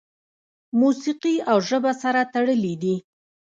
موسیقي او ژبه سره تړلي دي.